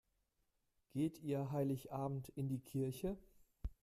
Geht ihr Heiligabend in die Kirche?